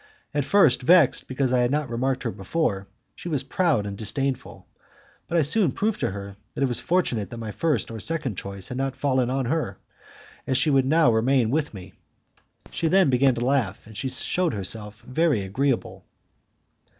At first, vexed because I had not remarked her before, she was proud and disdainful; but I soon proved to her that it was fortunate that my first or second choice had not fallen on her, as she would now remain longer with me. She then began to laugh, and shewed herself very agreeable.